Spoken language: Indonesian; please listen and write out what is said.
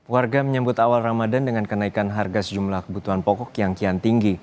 warga menyambut awal ramadan dengan kenaikan harga sejumlah kebutuhan pokok yang kian tinggi